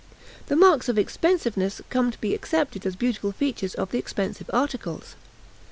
The marks of expensiveness come to be accepted as beautiful features of the expensive articles.